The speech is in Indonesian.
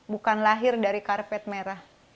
bukan lahir dari karpet merah